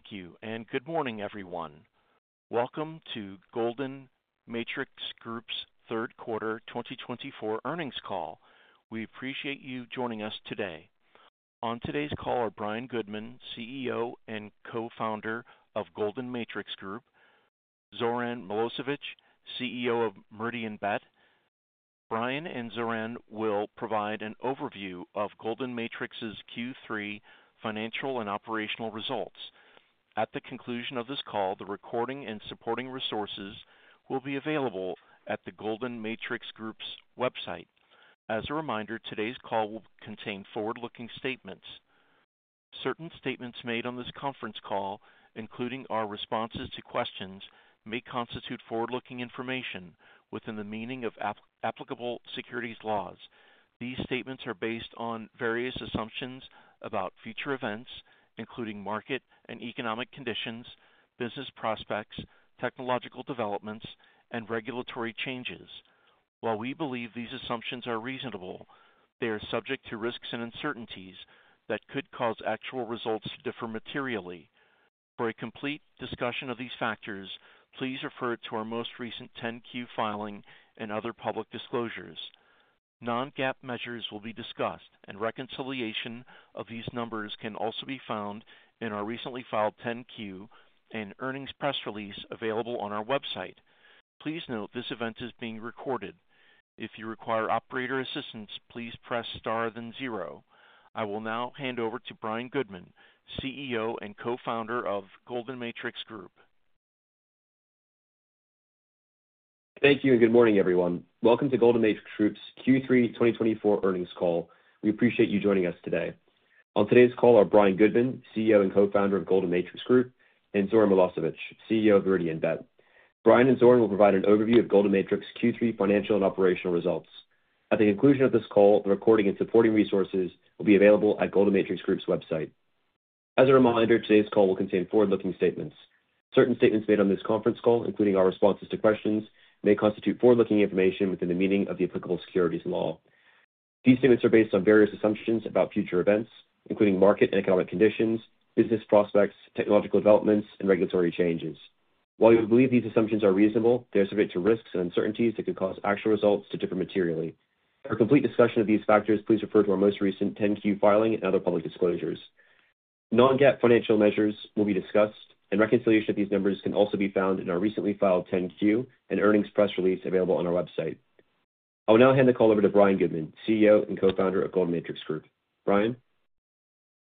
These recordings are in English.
Thank you, and good morning, everyone. Welcome to Golden Matrix Group's Q3 2024 Earnings Call. We appreciate you joining us today. On today's call are Brian Goodman, CEO and co-founder of Golden Matrix Group, and Zoran Milosevic, CEO of Meridianbet. Brian and Zoran will provide an overview of Golden Matrix's Q3 financial and operational results. At the conclusion of this call, the recording and supporting resources will be available at the Golden Matrix Group's website. As a reminder, today's call will contain forward-looking statements. Certain statements made on this conference call, including our responses to questions, may constitute forward-looking information within the meaning of applicable securities laws. These statements are based on various assumptions about future events, including market and economic conditions, business prospects, technological developments, and regulatory changes. While we believe these assumptions are reasonable, they are subject to risks and uncertainties that could cause actual results to differ materially. For a complete discussion of these factors, please refer to our most recent 10-Q filing and other public disclosures. Non-GAAP measures will be discussed, and reconciliation of these numbers can also be found in our recently filed 10-Q and earnings press release available on our website. Please note this event is being recorded. If you require operator assistance, please press star then zero. I will now hand over to Brian Goodman, CEO and co-founder of Golden Matrix Group. Thank you, and good morning, everyone. Welcome to Golden Matrix Group's Q3 2024 earnings call. We appreciate you joining us today. On today's call are Brian Goodman, CEO and co-founder of Golden Matrix Group, and Zoran Milosevic, CEO of Meridianbet. Brian and Zoran will provide an overview of Golden Matrix's Q3 financial and operational results. At the conclusion of this call, the recording and supporting resources will be available at Golden Matrix Group's website. As a reminder, today's call will contain forward-looking statements. Certain statements made on this conference call, including our responses to questions, may constitute forward-looking information within the meaning of the applicable securities law. These statements are based on various assumptions about future events, including market and economic conditions, business prospects, technological developments, and regulatory changes. While we believe these assumptions are reasonable, they are subject to risks and uncertainties that could cause actual results to differ materially. For a complete discussion of these factors, please refer to our most recent 10-Q filing and other public disclosures. Non-GAAP financial measures will be discussed, and reconciliation of these numbers can also be found in our recently filed 10-Q and earnings press release available on our website. I will now hand the call over to Brian Goodman, CEO and co-founder of Golden Matrix Group. Brian.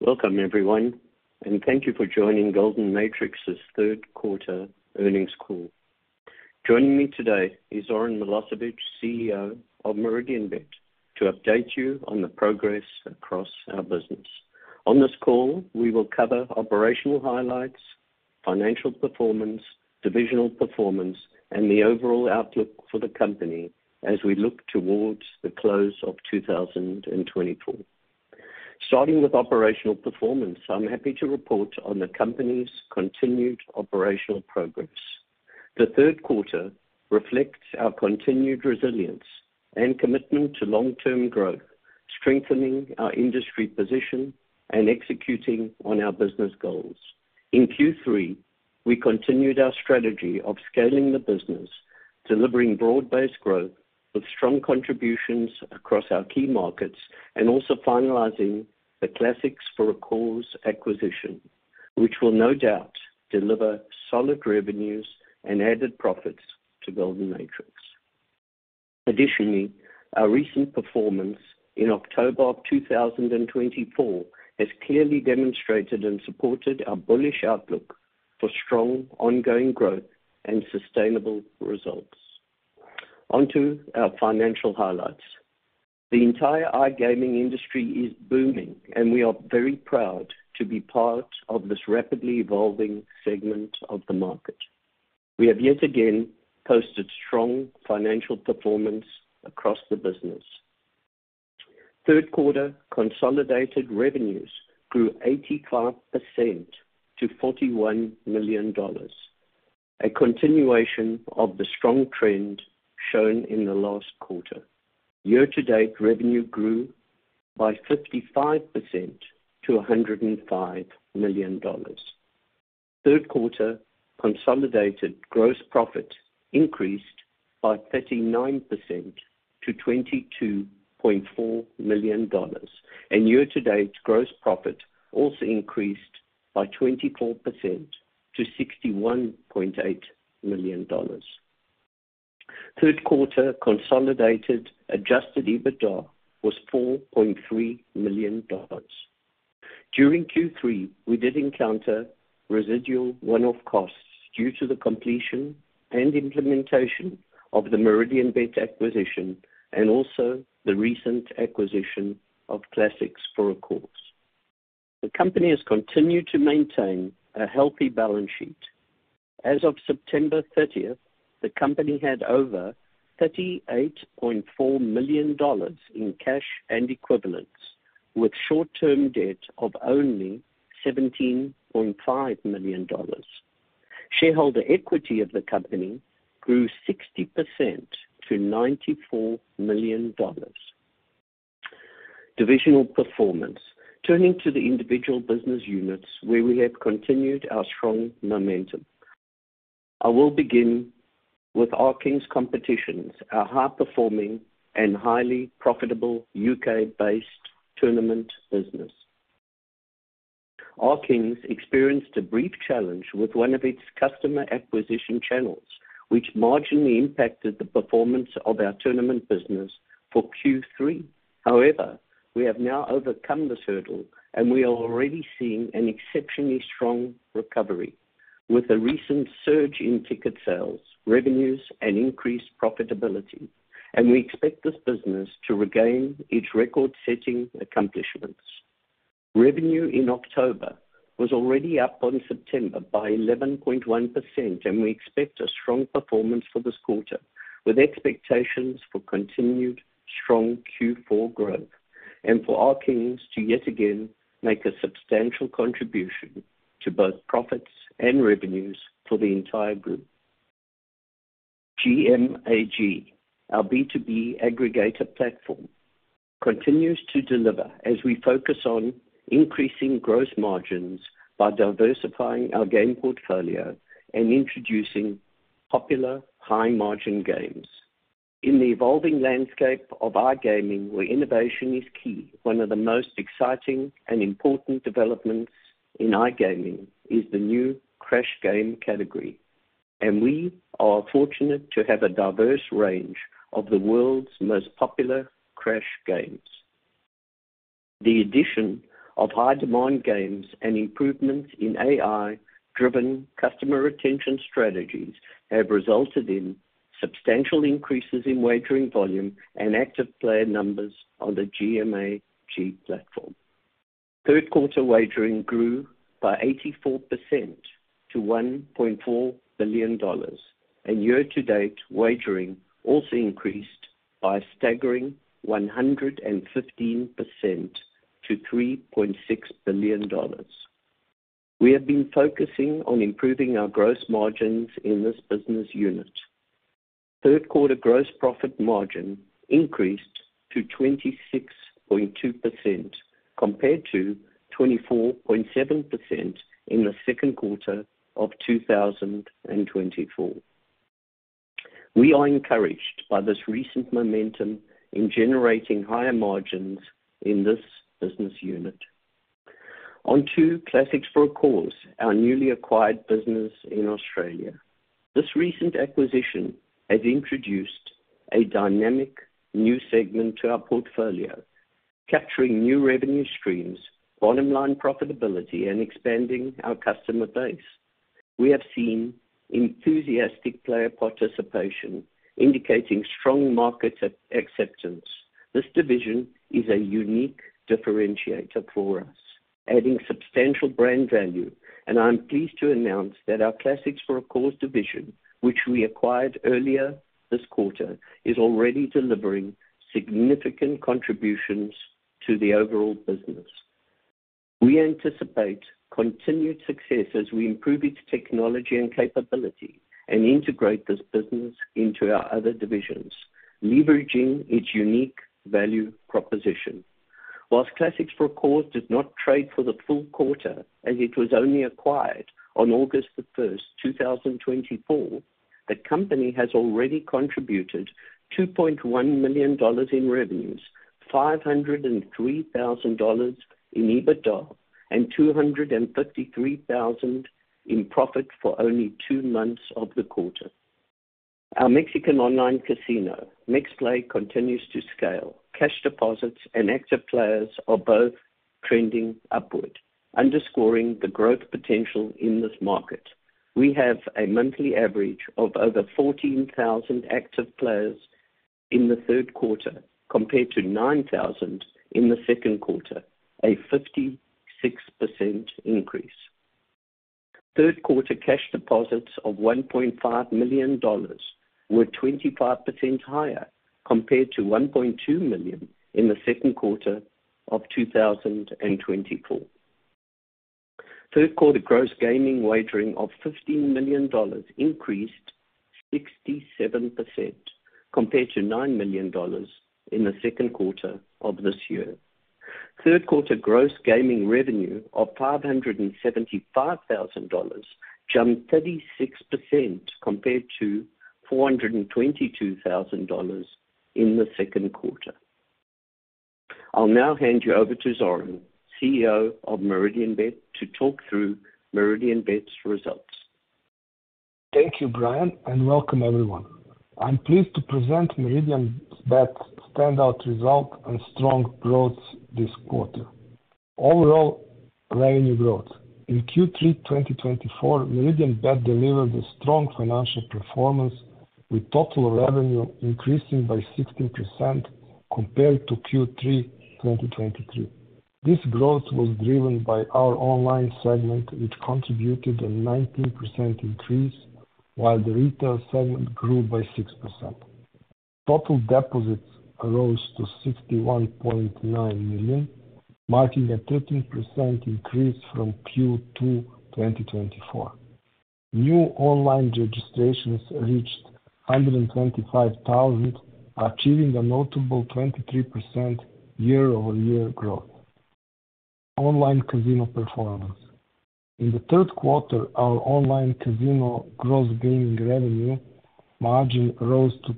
Welcome, everyone, and thank you for joining Golden Matrix's Q3 Earnings Call. Joining me today is Zoran Milosevic, CEO of Meridianbet, to update you on the progress across our business. On this call, we will cover operational highlights, financial performance, divisional performance, and the overall outlook for the company as we look towards the close of 2024. Starting with operational performance, I'm happy to report on the company's continued operational progress. The Q3 reflects our continued resilience and commitment to long-term growth, strengthening our industry position and executing on our business goals. In Q3, we continued our strategy of scaling the business, delivering broad-based growth with strong contributions across our key markets, and also finalizing the Classics for a Cause acquisition, which will no doubt deliver solid revenues and added profits to Golden Matrix. Additionally, our recent performance in October of 2024 has clearly demonstrated and supported our bullish outlook for strong ongoing growth and sustainable results. Onto our financial highlights. The entire iGaming industry is booming, and we are very proud to be part of this rapidly evolving segment of the market. We have yet again posted strong financial performance across the business. Q3 consolidated revenues grew 85% to $41 million, a continuation of the strong trend shown in the last quarter. Year-to-date revenue grew by 55% to $105 million. Q3 consolidated gross profit increased by 39% to $22.4 million, and year-to-date gross profit also increased by 24% to $61.8 million. Q3 consolidated adjusted EBITDA was $4.3 million. During Q3, we did encounter residual one-off costs due to the completion and implementation of the Meridianbet acquisition and also the recent acquisition of Classics for a Cause. The company has continued to maintain a healthy balance sheet. As of September 30th, the company had over $38.4 million in cash and equivalents, with short-term debt of only $17.5 million. Shareholder equity of the company grew 60% to $94 million. Divisional performance. Turning to the individual business units where we have continued our strong momentum. I will begin with RKings Competitions, our high-performing and highly profitable U.K.-based tournament business. RKings experienced a brief challenge with one of its customer acquisition channels, which marginally impacted the performance of our tournament business for Q3. However, we have now overcome this hurdle, and we are already seeing an exceptionally strong recovery with a recent surge in ticket sales, revenues, and increased profitability, and we expect this business to regain its record-setting accomplishments. Revenue in October was already up in September by 11.1%, and we expect a strong performance for this quarter, with expectations for continued strong Q4 growth and for RKings to yet again make a substantial contribution to both profits and revenues for the entire group. GMAG, our B2B aggregator platform, continues to deliver as we focus on increasing gross margins by diversifying our game portfolio and introducing popular high-margin games. In the evolving landscape of iGaming, where innovation is key, one of the most exciting and important developments in iGaming is the new crash games category, and we are fortunate to have a diverse range of the world's most popular crash games. The addition of high-demand games and improvements in AI-driven customer retention strategies have resulted in substantial increases in wagering volume and active player numbers on the GMAG platform. Q3 wagering grew by 84% to $1.4 billion, and year-to-date wagering also increased by a staggering 115% to $3.6 billion. We have been focusing on improving our gross margins in this business unit. Q3 gross profit margin increased to 26.2% compared to 24.7% in the Q2 of 2024. We are encouraged by this recent momentum in generating higher margins in this business unit. On to Classics for a Cause, our newly acquired business in Australia. This recent acquisition has introduced a dynamic new segment to our portfolio, capturing new revenue streams, bottom-line profitability, and expanding our customer base. We have seen enthusiastic player participation, indicating strong market acceptance. This division is a unique differentiator for us, adding substantial brand value, and I'm pleased to announce that our Classics for a Cause division, which we acquired earlier this quarter, is already delivering significant contributions to the overall business. We anticipate continued success as we improve its technology and capability and integrate this business into our other divisions, leveraging its unique value proposition. While Classics for a Cause does not trade for the full quarter, as it was only acquired on August the 1st, 2024, the company has already contributed $2.1 million in revenues, $503,000 in EBITDA, and $253,000 in profit for only two months of the quarter. Our Mexican online casino, MexPlay, continues to scale. Cash deposits and active players are both trending upward, underscoring the growth potential in this market. We have a monthly average of over 14,000 active players in the Q3 compared to 9,000 in the Q2, a 56% increase. Q3 cash deposits of $1.5 million were 25% higher compared to $1.2 million in the Q2 of 2024. Q3 gross gaming wagering of $15 million increased 67% compared to $9 million in the Q2 of this year. Q3 gross gaming revenue of $575,000 jumped 36% compared to $422,000 in the Q2. I'll now hand you over to Zoran, CEO of Meridianbet, to talk through Meridianbet's results. Thank you, Brian, and welcome, everyone. I'm pleased to present Meridianbet's standout result and strong growth this quarter. Overall revenue growth, in Q3 2024, Meridianbet delivered a strong financial performance, with total revenue increasing by 16% compared to Q3 2023. This growth was driven by our online segment, which contributed a 19% increase, while the retail segment grew by 6%. Total deposits rose to $61.9 million, marking a 13% increase from Q2 2024. New online registrations reached 125,000, achieving a notable 23% year-over-year growth. Online casino performance. In the Q3, our online casino gross gaming revenue margin rose to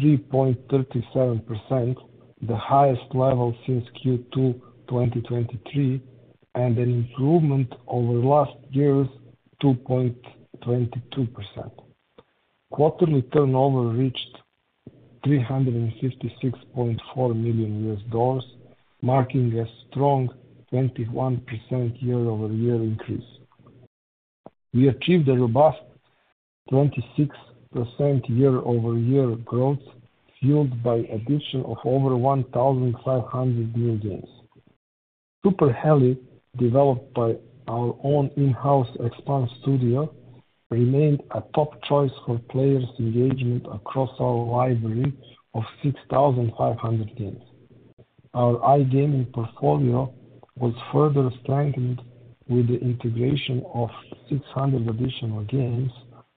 3.37%, the highest level since Q2 2023, and an improvement over last year's 2.22%. Quarterly turnover reached $356.4 million, marking a strong 21% year-over-year increase. We achieved a robust 26% year-over-year growth, fueled by the addition of over 1,500 new games. Hi-Lo, developed by our own in-house Expanse Studios, remained a top choice for players' engagement across our library of 6,500 games. Our iGaming portfolio was further strengthened with the integration of 600 additional games,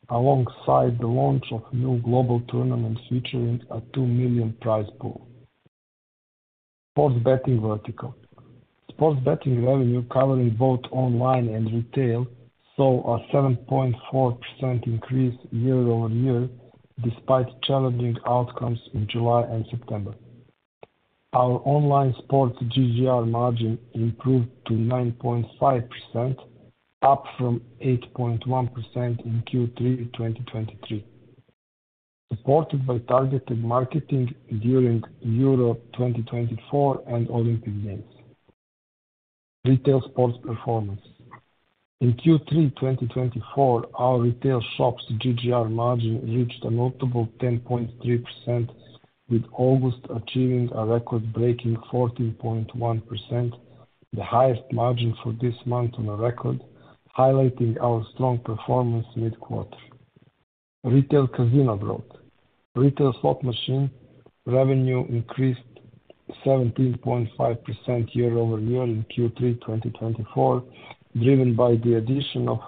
alongside the launch of new global tournaments featuring a $2 million prize pool. Sports betting vertical. Sports betting revenue, covering both online and retail, saw a 7.4% increase year-over-year, despite challenging outcomes in July and September. Our online sports GGR margin improved to 9.5%, up from 8.1% in Q3 2023, supported by targeted marketing during Euro 2024 and Olympic Games. Retail sports performance. In Q3 2024, our retail shops' GGR margin reached a notable 10.3%, with August achieving a record-breaking 14.1%, the highest margin for this month on record, highlighting our strong performance mid-quarter. Retail casino growth. Retail slot machine revenue increased 17.5% year-over-year in Q3 2024, driven by the addition of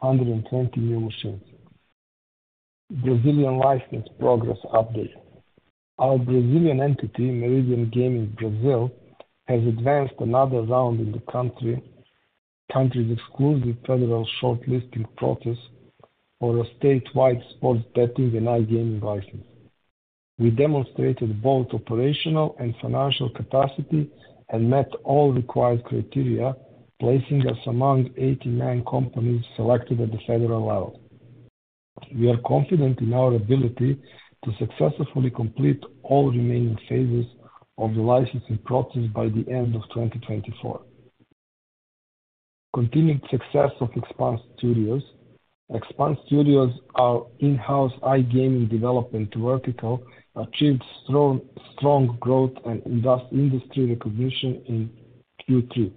120 new machines. Brazilian license progress update. Our Brazilian entity, Meridian Gaming Brazil, has advanced another round in the country's exclusive federal short-listing process for a statewide sports betting and iGaming license. We demonstrated both operational and financial capacity and met all required criteria, placing us among 89 companies selected at the federal level. We are confident in our ability to successfully complete all remaining phases of the licensing process by the end of 2024. Continued success of Expanse Studios. Expanse Studios, our in-house iGaming development vertical, achieved strong growth and industry recognition in Q3.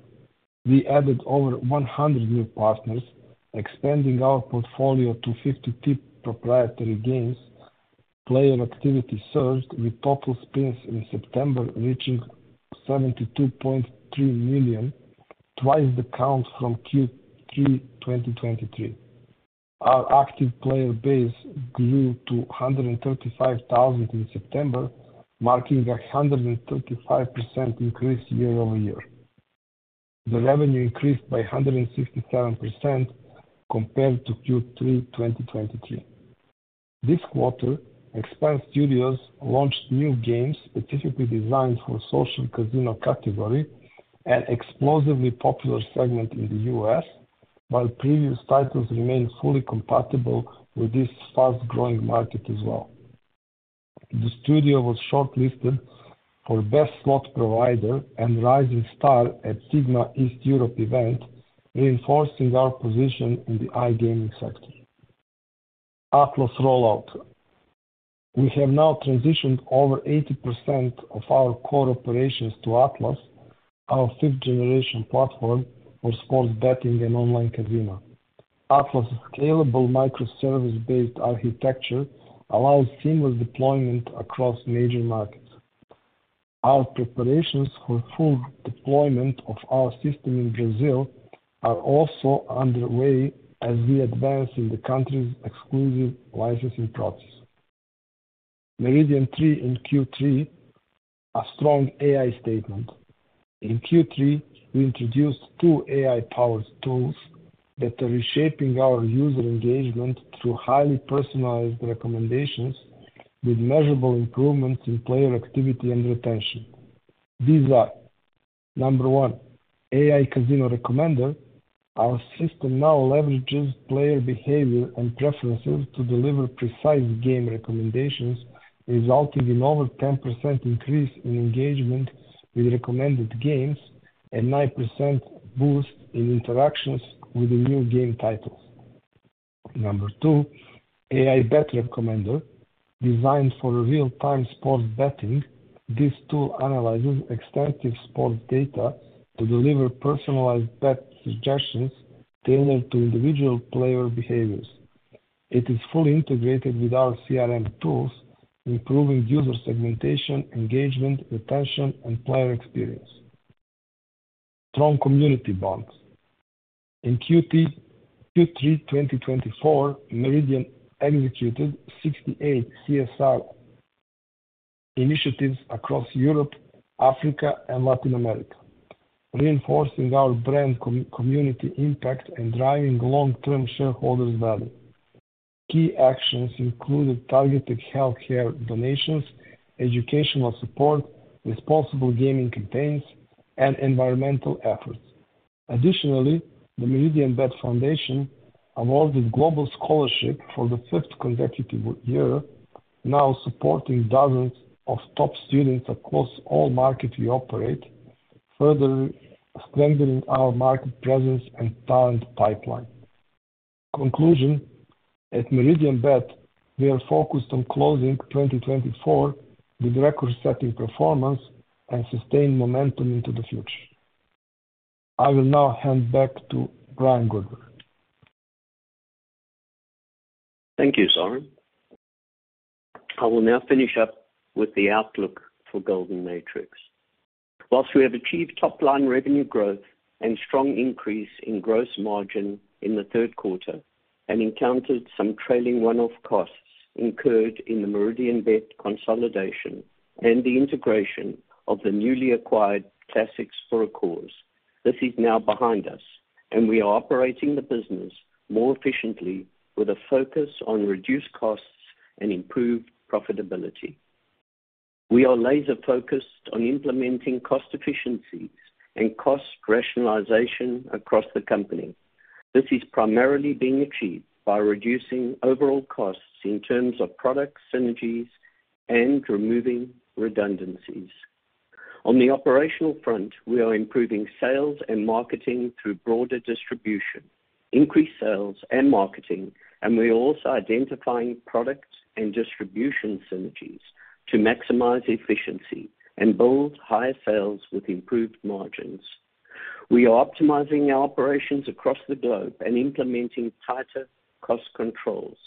We added over 100 new partners, expanding our portfolio to 52 proprietary games. Player activity surged, with total spins in September reaching 72.3 million, twice the count from Q3 2023. Our active player base grew to 135,000 in September, marking a 135% increase year-over-year. The revenue increased by 167% compared to Q3 2023. This quarter, Expanse Studios launched new games specifically designed for the social casino category, an explosively popular segment in the U.S., while previous titles remained fully compatible with this fast-growing market as well. The studio was shortlisted for Best Slot Provider and Rising Star at the SiGMA East Europe event, reinforcing our position in the iGaming sector. Atlas rollout. We have now transitioned over 80% of our core operations to Atlas, our fifth-generation platform for sports betting and online casino. Atlas's scalable microservice-based architecture allows seamless deployment across major markets. Our preparations for full deployment of our system in Brazil are also underway as we advance in the country's exclusive licensing process. Meridian's in Q3, a strong AI statement. In Q3, we introduced two AI-powered tools that are reshaping our user engagement through highly personalized recommendations, with measurable improvements in player activity and retention. These are: Number one, AI Casino Recommender. Our system now leverages player behavior and preferences to deliver precise game recommendations, resulting in an over 10% increase in engagement with recommended games and a 9% boost in interactions with the new game titles. Number two, AI Bet Recommender. Designed for real-time sports betting, this tool analyzes extensive sports data to deliver personalized bet suggestions tailored to individual player behaviors. It is fully integrated with our CRM tools, improving user segmentation, engagement, retention, and player experience. Strong community bonds. In Q3 2024, Meridian executed 68 CSR initiatives across Europe, Africa, and Latin America, reinforcing our brand community impact and driving long-term shareholders' value. Key actions included targeted healthcare donations, educational support, responsible gaming campaigns, and environmental efforts. Additionally, the Meridianbet Foundation awarded global scholarship for the fifth consecutive year, now supporting dozens of top students across all markets we operate, further strengthening our market presence and talent pipeline. Conclusion: At Meridianbet, we are focused on closing 2024 with record-setting performance and sustained momentum into the future. I will now hand back to Brian Goodman. Thank you, Zoran. I will now finish up with the outlook for Golden Matrix. While we have achieved top-line revenue growth and a strong increase in gross margin in the Q3 and encountered some trailing runoff costs incurred in the Meridianbet consolidation and the integration of the newly acquired Classics for a Cause, this is now behind us, and we are operating the business more efficiently with a focus on reduced costs and improved profitability. We are laser-focused on implementing cost efficiencies and cost rationalization across the company. This is primarily being achieved by reducing overall costs in terms of product synergies and removing redundancies. On the operational front, we are improving sales and marketing through broader distribution, increased sales and marketing, and we are also identifying product and distribution synergies to maximize efficiency and build higher sales with improved margins. We are optimizing our operations across the globe and implementing tighter cost controls.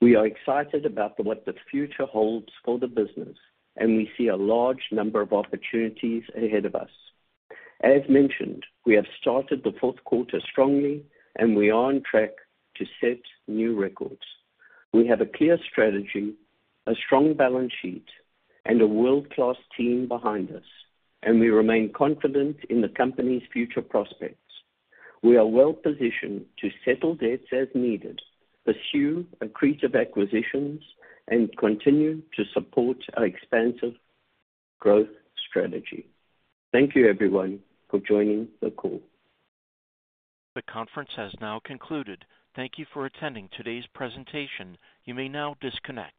We are excited about what the future holds for the business, and we see a large number of opportunities ahead of us. As mentioned, we have started the Q4 strongly, and we are on track to set new records. We have a clear strategy, a strong balance sheet, and a world-class team behind us, and we remain confident in the company's future prospects. We are well-positioned to settle debts as needed, pursue accretive acquisitions, and continue to support our expansive growth strategy. Thank you, everyone, for joining the call. The conference has now concluded. Thank you for attending today's presentation. You may now disconnect.